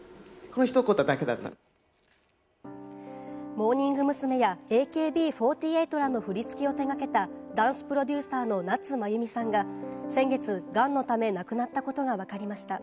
モーニング娘。やＡＫＢ４８らの振付を手がけたダンスプロデューサーの夏まゆみさんが先月がんのため亡くなったことがわかりました。